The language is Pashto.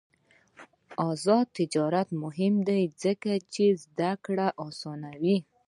آزاد تجارت مهم دی ځکه چې زدکړه اسانوي.